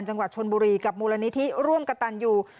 จังหวัดชนบุรีกับมูลนิธิร่วมกระตันอยู่